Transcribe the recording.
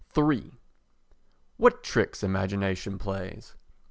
iii What tricks imagination plays!